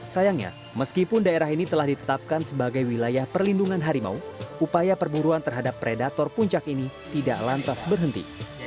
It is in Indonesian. sayangnya meskipun daerah ini telah ditetapkan sebagai wilayah perlindungan harimau upaya perburuan terhadap predator puncak ini tidak lantas berhenti